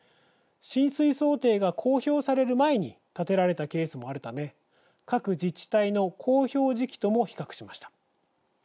浸水想定が公表される前に建てられたケースもあるため各自治体の公表時期とも比較しました。